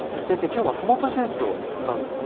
今日はトマトジュースを使うんですね。